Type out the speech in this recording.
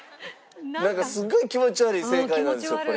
なんかすっごい気持ち悪い正解なんですよこれ。